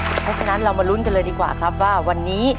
เพราะฉะนั้นเรามาลุ้นกันเลยดีกว่าครับว่าวันนี้